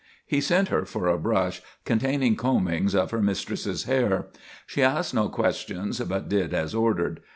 He sent her for a brush containing combings of her mistress's hair. She asked no questions, but did as ordered.